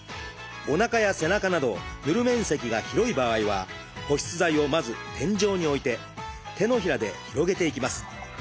おなかや背中など塗る面積が広い場合は保湿剤をまず点状に置いて手のひらで広げていきます。